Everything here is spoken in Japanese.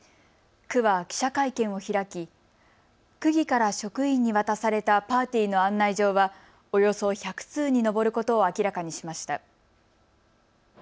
区は記者会見を開き区議から職員に渡されたパーティーの案内状はおよそ１００通に上ることを明らかにしました。